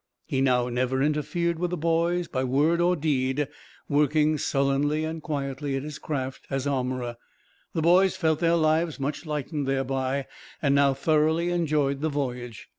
He now never interfered with the boys, by word or deed, working sullenly and quietly at his craft as armorer The boys felt their lives much lightened thereby, and now thoroughly enjoyed the voyage.